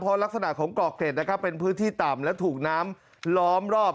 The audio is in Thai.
เพราะลักษณะของเกาะเกร็ดนะครับเป็นพื้นที่ต่ำและถูกน้ำล้อมรอบ